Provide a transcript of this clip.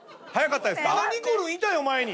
まだにこるんいたよ前に。